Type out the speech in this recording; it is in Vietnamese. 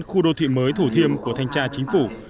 khu đô thị mới thủ thiêm của thanh tra chính phủ